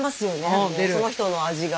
もうその人の味が。